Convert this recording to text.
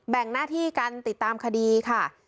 งหน้าที่กันติดตามคดีค่ะ